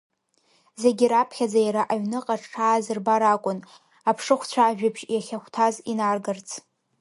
Зегь раԥхьаӡа иара аҩныҟа дшааз рбар акәын, аԥшыхәцәа ажәабжь иахьахәҭаз инаргарц.